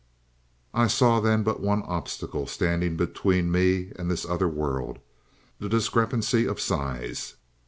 "I saw then but one obstacle standing between me and this other world the discrepancy of size.